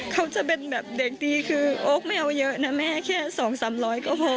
เขาจะเป็นแบบเด็กดีคือโอ๊คไม่เอาเยอะนะแม่แค่๒๓๐๐ก็พอ